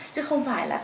chứ không phải là